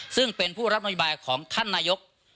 ซึ่งเป็นผู้รับนโยบายของท่านนายก